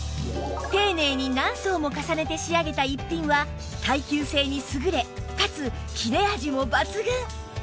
丁寧に何層も重ねて仕上げた逸品は耐久性に優れかつ切れ味も抜群！